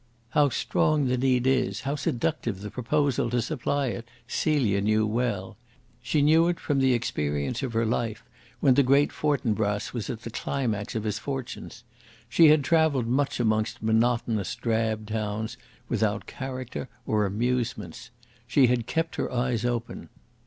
How strong the need is, how seductive the proposal to supply it, Celia knew well. She knew it from the experience of her life when the Great Fortinbras was at the climax of his fortunes. She had travelled much amongst monotonous, drab towns without character or amusements. She had kept her eyes open.